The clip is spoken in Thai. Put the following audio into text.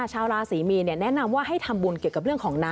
ชาวราศรีมีนแนะนำว่าให้ทำบุญเกี่ยวกับเรื่องของน้ำ